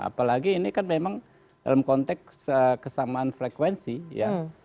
apalagi ini kan memang dalam konteks kesamaan frekuensi ya